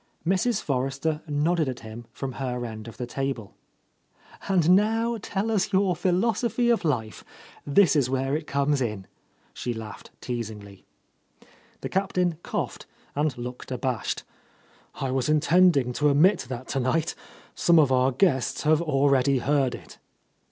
Mrs. Forrester nodded at him from her end of the table. "And now, tell us your philosophy of life, — this is where it comes in," she laughed teasingly. The Captain coughed and looked abashed. "I was intending to omit that tonight. Some of our guests have already heard it."